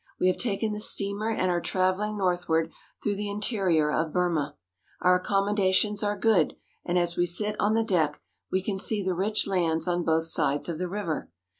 We have taken the steamer and are traveling northward through the interior of Burma. Our accommodations are good, and as we sit on the deck we can see the rich lands on both sides of the river.